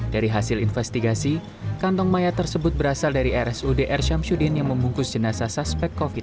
dari hasil investigasi kantong mayat tersebut berasal dari rsud r syamsuddin yang membungkus jenazah suspek covid sembilan belas